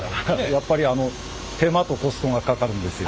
やっぱりあの手間とコストがかかるんですよ。